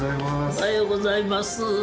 おはようございます。